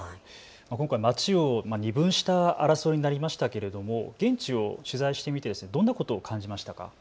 今回、町を二分した争いになりましたけれど現地を取材してどんなことを感じましたか。